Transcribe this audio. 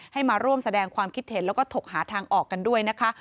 ให้มาร่วมแสดงความคิดเห็นแล้วก็ถกหาทางออกกันด้วยนะคะ